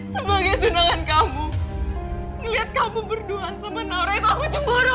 sebagai tunangan kamu ngeliat kamu berduaan sama naura itu aku cemburu